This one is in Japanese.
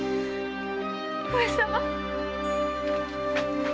上様！